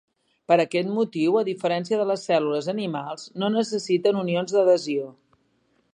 Per aquest motiu, a diferència de les cèl·lules animals, no necessiten unions d'adhesió.